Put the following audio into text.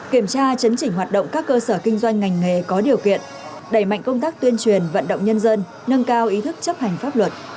kiểm tra chấn chỉnh hoạt động các cơ sở kinh doanh ngành nghề có điều kiện đẩy mạnh công tác tuyên truyền vận động nhân dân nâng cao ý thức chấp hành pháp luật